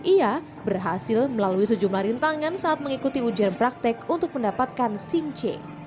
ia berhasil melalui sejumlah rintangan saat mengikuti ujian praktek untuk mendapatkan sim c